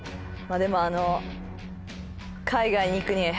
でもあの海外に行くには。